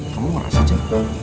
kamu murah saja